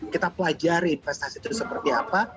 kita pelajari prestasi itu seperti apa